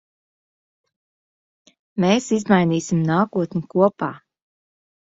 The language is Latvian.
Mēs izmainīsim nākotni kopā.